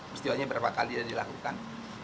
peristiwanya berapa kali dilakukan